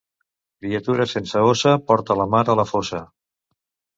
Criatura sense ossa porta la mare a la fossa.